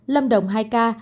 lâm đồng hai ca